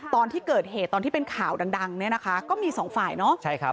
ตอนที่เกิดเหตุตอนที่เป็นข่าวดังเนี่ยนะคะก็มีสองฝ่ายเนาะ